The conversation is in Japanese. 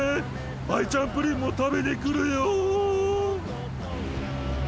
アイちゃんプリンも食べに来るよ！